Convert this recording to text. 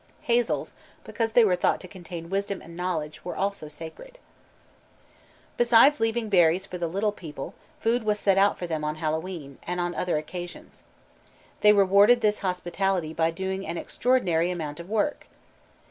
Hazels, because they were thought to contain wisdom and knowledge, were also sacred. Besides leaving berries for the "Little People," food was set out for them on Hallowe'en, and on other occasions. They rewarded this hospitality by doing an extraordinary amount of work.